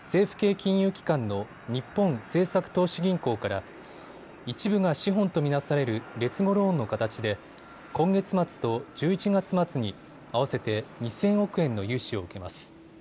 金融機関の日本政策投資銀行から一部が資本と見なされる劣後ローンの形で今月末と１１月末に合わせて２０００億円の融資を受けます。